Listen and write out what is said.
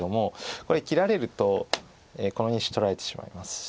これ切られるとこの２子取られてしまいますし。